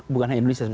bukan hanya indonesia